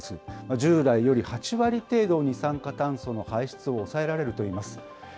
従来より８割程度、二酸化炭素の排出を抑えられるといいます。